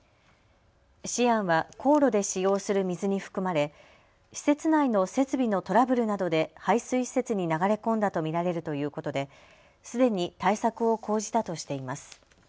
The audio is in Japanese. シアンは高炉で使用する水に含まれ施設内の設備のトラブルなどで排水施設に流れ込んだと見られるということですでに対策を講じたとしています。